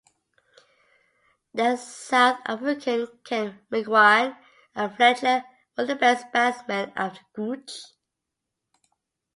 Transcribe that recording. The South African Ken McEwan and Fletcher were the best batsmen after Gooch.